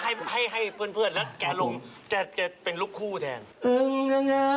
ให้เพื่อนแล้วแกะลงจะเป็นลูกคู่แถง